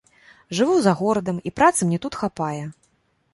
Жыву за горадам, і працы мне тут хапае.